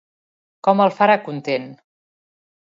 Com el farà content?